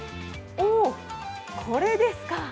おー、これですか。